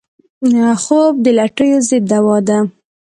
خوب د لټیو ضد دوا ده